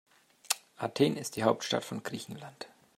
Athen ist die Hauptstadt von Griechenland.